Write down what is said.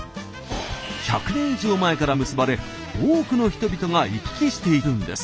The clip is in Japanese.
１００年以上前から結ばれ多くの人々が行き来しているんです。